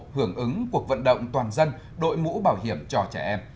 hưởng ứng cuộc vận động toàn dân đội mũ bảo hiểm cho trẻ em